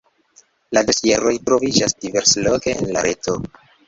La dosieroj troviĝas diversloke en la reto.